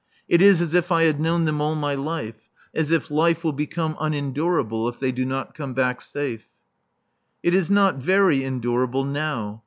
It is as if I had known them all my life; as if life will be unendurable if they do not come back safe. It is not very endurable now.